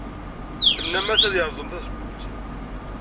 Tennamt-as ad yerẓem tazewwut.